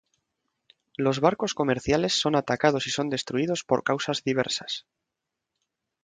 Los barcos comerciales son atacados y son destruidos por causas diversas.